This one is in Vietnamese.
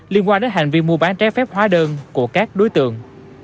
liên quan đến hành vi mua bán trái phép hóa đơn của các đối tượng